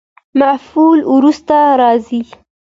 مفعول وروسته راځي.